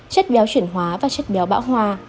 chất béo chuyển hóa và chất béo bão hòa